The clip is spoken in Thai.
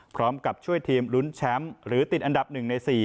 พร้อมกับช่วยทีมลุ้นแชมป์หรือติดอันดับ๑ใน๔